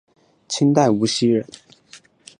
清代无锡人。